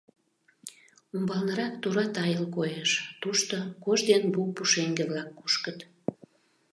Умбалнырак тура тайыл коеш, тушто кож ден бук пушеҥге-влак кушкыт.